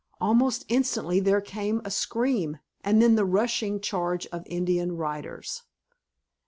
Almost instantly there came a scream and then the rushing charge of Indian riders.